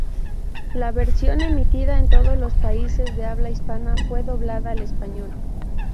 La versión emitida en todos los países de habla hispana fue doblada al español.